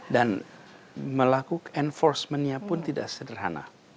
dan melakukan enforcement nya pun tidak sederhana